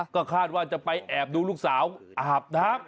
ก็คาดว่าจะไปแอบดูลูกสาวอาบน้ำ